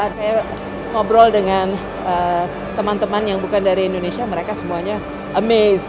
saya ngobrol dengan teman teman yang bukan dari indonesia mereka semuanya amazed